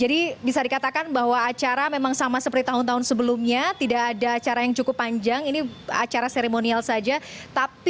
jadi bisa dikatakan bahwa acara memang sama seperti tahun tahun sebelumnya tidak ada acara cukup panjang ini acara seremonial saja